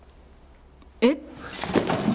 えっ？